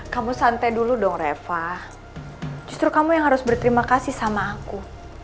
kamu santai dulu dong reva justru kamu yang harus berterima kasih sama aku